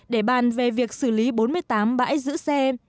để bàn về việc xử lý bốn mươi tám bãi giữ xe